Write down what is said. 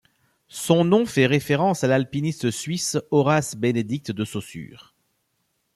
Son nom fait référence à l'alpiniste suisse Horace-Bénédict de Saussure.